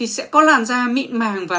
sẽ có làn da mịn màng và mịn